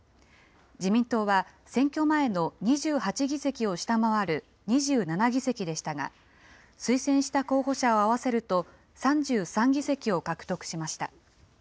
自民党は選挙前の２８議席を下回る２７議席でしたが、推薦した候補者を合わせると３３議席を獲得しました。